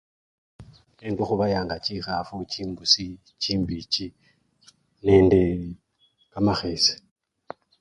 Engo hubayanga chihafu, chimbusi, chimbichi nende kamahese